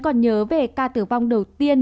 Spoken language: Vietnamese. còn nhớ về ca tử vong đầu tiên